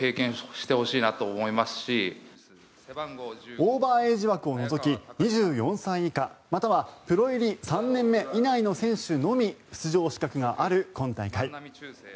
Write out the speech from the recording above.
オーバーエイジ枠を除き２４歳以下またはプロ入り３年目以内の選手のみ出場資格がある今大会。